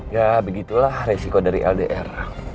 ya begitulah resiko dari ldr